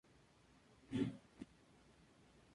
El actor Francesco Siciliano es hijo de Enzo.